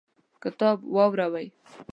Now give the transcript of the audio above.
کتاب واوړوئ